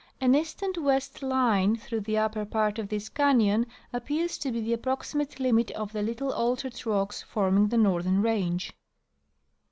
An east and west line through the upper part of this canyon ap pears to be the approximate limit of the little altered rocks forming the northern range.